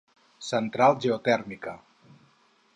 Central Geotèrmica.